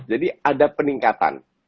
jadi ada peningkatan